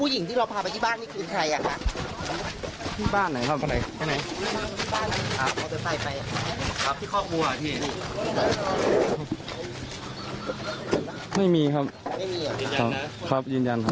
ยืนยันนะครับ